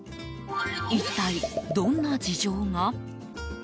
一体どんな事情が？